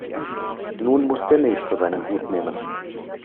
Nun muss der Nächste seinen Hut nehmen.